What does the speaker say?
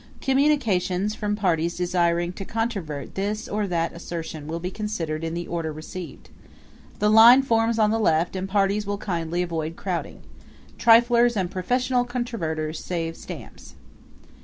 Communications from parties desiring to controvert this or that assertion will be considered in the order received. The line forms on the left and parties will kindly avoid crowding. Triflers and professional controverters save stamps.